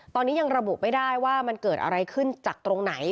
ตอนนี้ยังระบุไม่ได้ว่ามันเกิดอะไรขึ้นจากตรงไหน